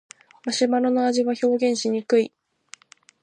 マシュマロの味は表現しにくい